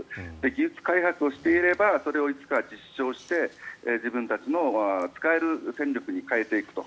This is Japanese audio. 技術開発をしていればそれをいつか実証して自分たちの使える戦力に変えていくと。